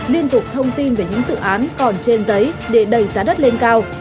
liên tục thông tin về những dự án còn trên giấy để đẩy giá đất lên cao